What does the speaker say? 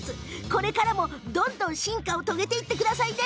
これからも、どんどん進化させていってくださいね。